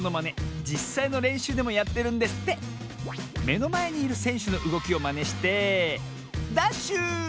めのまえにいるせんしゅのうごきをマネしてダッシュ！